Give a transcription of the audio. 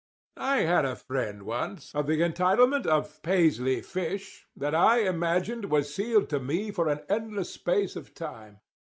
"I had a friend once, of the entitlement of Paisley Fish, that I imagined was sealed to me for an endless space of time.